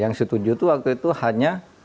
yang setuju itu waktu itu hanya